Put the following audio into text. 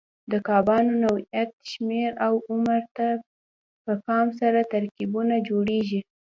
د کبانو نوعیت، شمېر او عمر ته په پام سره ترکیبونه جوړېږي.